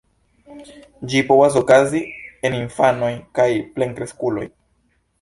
Ĝi povas okazi en infanoj kaj plenkreskuloj.